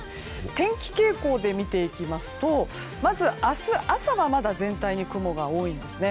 天気傾向で見ていきますとまず明日朝は全体に雲が多いんですね。